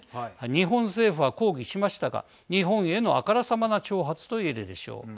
日本政府は抗議しましたが日本への、あからさまな挑発といえるでしょう。